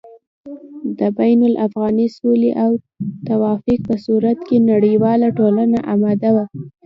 د بين الافغاني سولې او توافق په صورت کې نړېواله ټولنه اماده وه